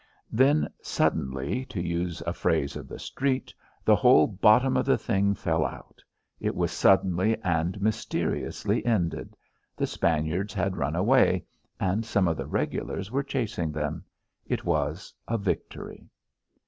Then suddenly to use a phrase of the street the whole bottom of the thing fell out. It was suddenly and mysteriously ended. The Spaniards had run away, and some of the regulars were chasing them. It was a victory.